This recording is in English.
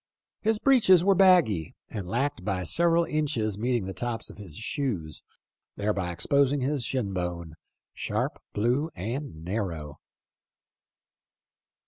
His breeches were baggy and lacked by several inches meeting the tops of his shoes, thereby exposing his shin bone, " sharp, blue, and narrow."